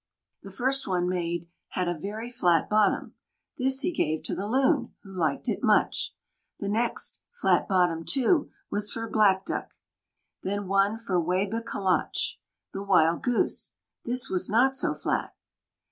The first one made had a very flat bottom; this he gave to the Loon, who liked it much. The next, flat bottomed too, was for Black Duck; then one for Wābèkèloch, the Wild Goose. This was not so flat.